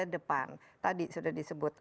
depan tadi sudah disebut